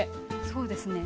そうですね。